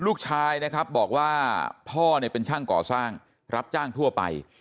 ลูกชายนะครับบอกว่าพ่อเนี่ยเป็นช่างก่อสร้างรับจ้างทั่วไป